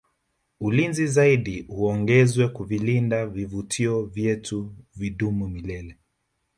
ulinzi zaidi uongezwe kuvilinda vivutio vyetu vidumu milele